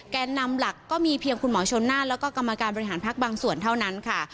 แกนนำหลักก็มีเพียงคุณหมอชนน่านแล้วก็กรรมการบริหารพักบางส่วนเท่านั้นค่ะ